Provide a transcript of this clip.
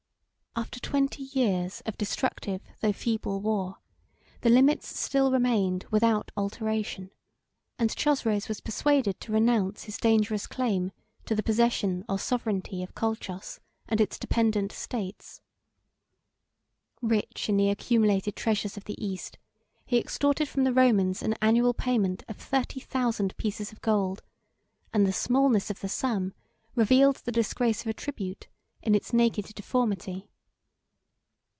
After twenty years of destructive though feeble war, the limits still remained without alteration; and Chosroes was persuaded to renounce his dangerous claim to the possession or sovereignty of Colchos and its dependent states. Rich in the accumulated treasures of the East, he extorted from the Romans an annual payment of thirty thousand pieces of gold; and the smallness of the sum revealed the disgrace of a tribute in its naked deformity.